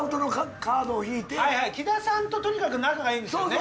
木田さんととにかく仲がいいんですよね。